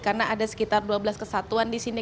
karena ada sekitar dua belas kesatuan di sini